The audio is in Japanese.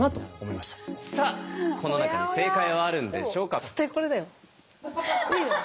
さあこの中に正解はあるんでしょうか。